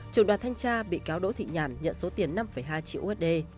trưởng đoàn thanh tra bị cáo đỗ thị nhản nhận số tiền năm hai triệu usd